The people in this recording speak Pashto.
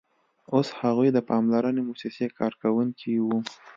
اوس هغوی د پاملرنې موسسې کارکوونکي وو